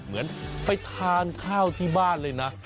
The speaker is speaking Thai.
เหมือนไปทานข้าวที่บ้านเลยนะ